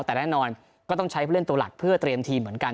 แต่แน่นอนก็ต้องใช้ผู้เล่นตัวหลักเพื่อเตรียมทีมเหมือนกัน